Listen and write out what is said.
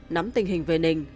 nắm tình hình về nình